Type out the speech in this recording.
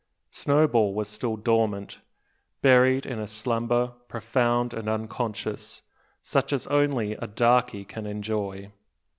Snowball was still dormant, buried in a slumber profound and unconscious, such as only a "darkey" can enjoy.